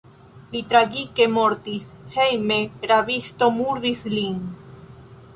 Li tragike mortis: hejme rabisto murdis lin.